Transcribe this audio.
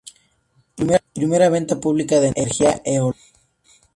Primera venta pública de energía eólica.